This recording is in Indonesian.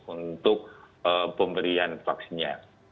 untuk pemberian vaksinnya